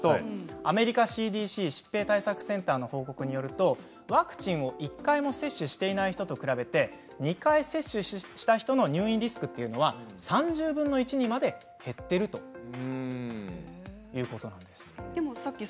アメリカＣＤＣ疾病対策センターの報告によりますとワクチンを２回接種していない人に比べて２回接種した人の入院リスクは３０分の１にまで減っているということなんです。